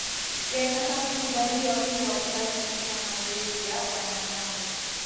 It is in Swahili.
yatakapokubaliwa Pia wakaanza kufanya mazoezi ya wanamgambo